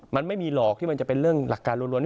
มันไม่มีหรอกที่มันจะเป็นเรื่องหลักการล้วน